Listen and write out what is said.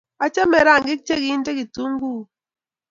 achame rangiik che kinte kutinguung